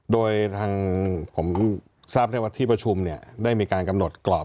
โดยทางผมทราบได้ว่าที่ประชุมเนี่ยได้มีการกำหนดกรอบ